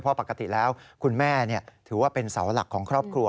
เพราะปกติแล้วคุณแม่ถือว่าเป็นเสาหลักของครอบครัว